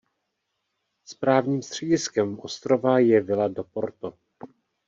Správním střediskem ostrova je Vila do Porto.